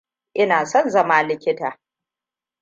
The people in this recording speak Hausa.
Ina son zama likita.